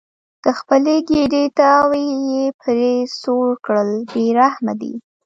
د خپلې ګېډې تاو یې پرې سوړ کړل بې رحمه دي.